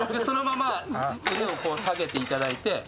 そのまま腕をこう下げていただいて。